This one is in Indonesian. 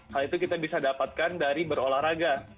hal itu kita bisa dapatkan dari berolahraga